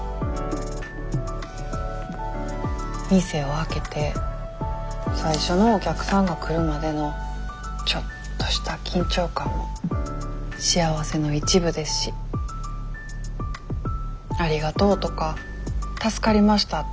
店を開けて最初のお客さんが来るまでのちょっとした緊張感も幸せの一部ですし「ありがとう」とか「助かりました」って言葉はもちろん